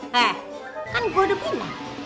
hah kan gua udah bilang